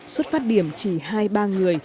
xuất phát điểm chỉ hai ba người